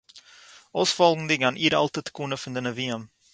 אויספאָלגנדיג אַן אור-אַלטע תקנה פון די נביאים